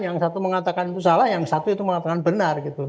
yang satu mengatakan itu salah yang satu itu mengatakan benar gitu